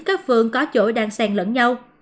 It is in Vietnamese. các phương có chỗ đang sèn lẫn nhau